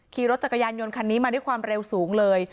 ขี่รถจักรยานยนต์คันนี้มาด้วยความเร็วสูงเลย